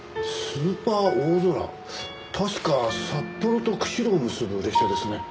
確か札幌と釧路を結ぶ列車ですね。